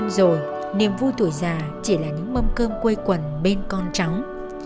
đã ở lưới tuổi lão niên rồi niềm vui tuổi già chỉ là những mâm cơm quây quần bên con trắng